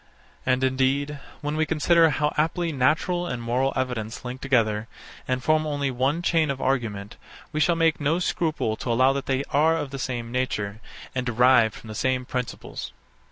And indeed, when we consider how aptly natural and moral evidence link together, and form only one chain of argument, we shall make no scruple to allow that they are of the same nature, and derived from the same principles.